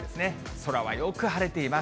空はよく晴れています。